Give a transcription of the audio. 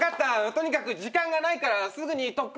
とにかく時間がないからすぐに特訓するぞ。